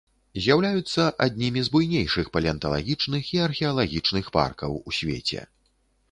З'яўляюцца аднімі з буйнейшых палеанталагічных і археалагічных паркаў у свеце.